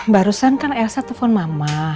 barusan kan elsa telfon mama